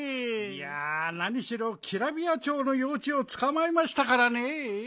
いやなにしろキラビヤチョウのようちゅうをつかまえましたからねえ。